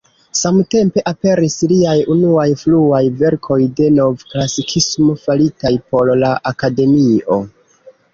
Samtempe aperis liaj unuaj fruaj verkoj de Novklasikismo faritaj por la Akademio.